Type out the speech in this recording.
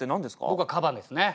僕は河馬ですね。